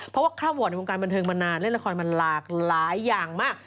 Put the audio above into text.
เพราะว่าคล่ำวอร์ดในวงการบันเทิงมานานเล่นละครมาหลากหลายอย่างมาก